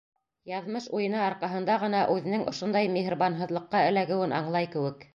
Яҙмыш уйыны арҡаһында ғына үҙенең ошондай миһырбанһыҙлыҡҡа эләгеүен аңлай кеүек.